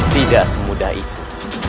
tidak semudah itu